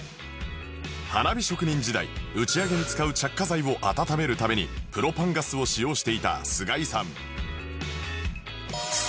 花火職人時代打ち上げに使う着火剤を温めるためにプロパンガスを使用していた菅井さん